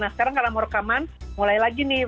nah sekarang kalau mau rekaman mulai lagi nih